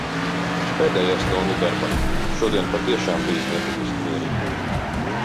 Pēdējā stunda darbā. Šodien patiešām bijis netipiski mierīgi.